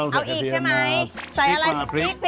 นี่เสร็จแล้วใช่ไหมคะ